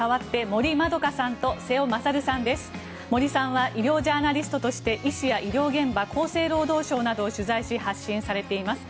森さんは医療ジャーナリストとして医師や医療現場厚生労働省などを取材し発信されています。